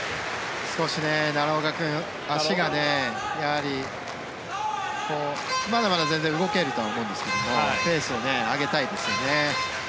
少し奈良岡君、足がまだまだ全然動けると思うんですがペースを上げたいですよね。